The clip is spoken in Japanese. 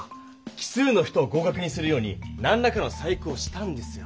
奇数の人を合かくにするようになんらかの細工をしたんですよ。